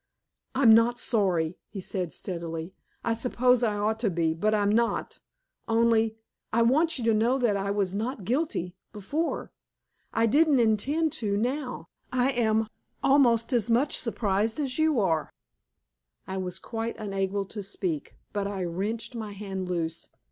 "I'm not sorry," he said steadily. "I suppose I ought to be, but I'm not. Only I want you to know that I was not guilty before. I didn't intend to now. I am almost as much surprised as you are." I was quite unable to speak, but I wrenched my hand loose.